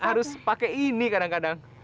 harus pakai ini kadang kadang